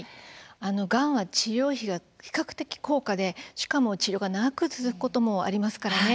がんは治療費が比較的高価で、しかも治療が長く続くこともあります。